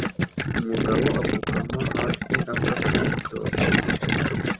Umugabo apfukama hasi afashe igitoki